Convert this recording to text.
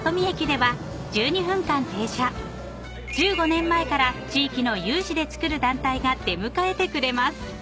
［１５年前から地域の有志でつくる団体が出迎えてくれます］